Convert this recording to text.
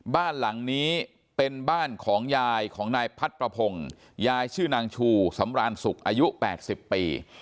บ้านหลังนี้เป็นบ้านของยายของนายพัดประพงศ์ยายชื่อนางชูสำรานสุขอายุ๘๐ปี